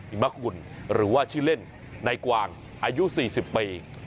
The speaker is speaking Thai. อิมมะกุลหรือว่าชื่อเล่นนายกวางอายุสี่สิบปี